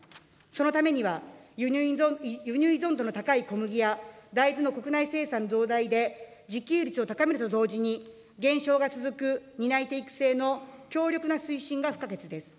そのためには輸入依存度の高い小麦や、大豆の国内生産増大で自給率を高めると同時に減少が続く担い手育成の強力な推進が不可欠です。